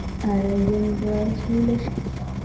آیا جنګ به سوله شي؟